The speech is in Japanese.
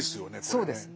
そうです。